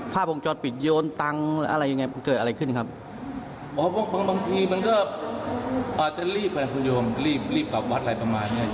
ผู้โดยมรีบกับวัตรอะไรประมาณนี้